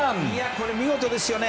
これ見事ですよね。